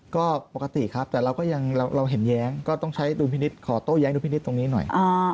ก็ปกติครับแต่เร็วเห็นแย้งก็ต้องขอโต้แย้งดูพินิษฐ์ตรงนี้หน่อย